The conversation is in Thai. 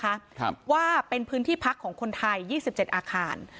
ครับว่าเป็นพื้นที่พักของคนไทยยี่สิบเจ็ดอาคาร